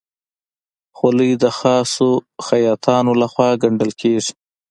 خولۍ د خاصو خیاطانو لهخوا ګنډل کېږي.